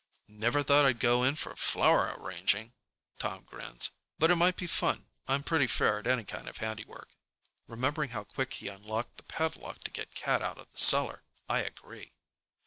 "Never thought I'd go in for flower arranging." Tom grins. "But it might be fun. I'm pretty fair at any kind of handiwork." Remembering how quick he unlocked the padlock to get Cat out in the cellar, I agree.